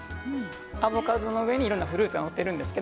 アボカドの上にいろんなフルーツが載っています。